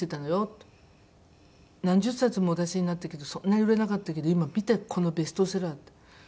「何十冊もお出しになったけどそんなに売れなかったけど今見てこのベストセラー」って。